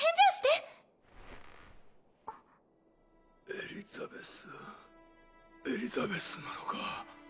エリザベスエリザベスなのか？